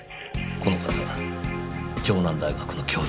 この方は城南大学の教授です。